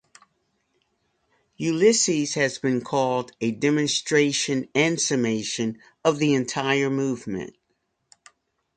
"Ulysses" has been called "a demonstration and summation of the entire movement".